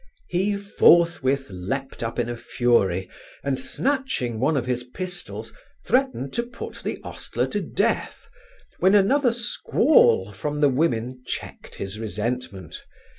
He forthwith leaped up in a fury, and snatching one of his pistols, threatened to put the ostler to death, when another squall from the women checked his resentment.